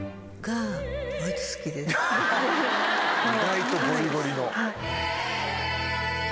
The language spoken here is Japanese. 意外とゴリゴリの。